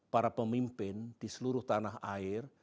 para pemimpin di seluruh tanah air